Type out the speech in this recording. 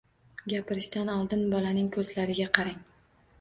Gapirishdan oldin bolaning ko‘zlariga qarang.